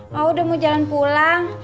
mau udah mau jalan pulang